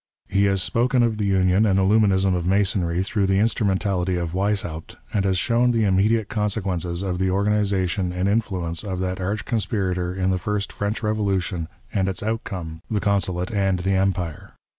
He has spoken of the union and illuminism of Masonry through the instru mentality of Weishaupt, and has shown the immediate consequences of the organization and influence of that arch conspirator in the first French Eevolution and its outcome, the Consulate and the Empire.